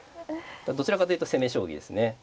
どちらかというと攻め将棋ですね。